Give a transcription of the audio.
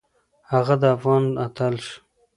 هغه د افغان اتل شو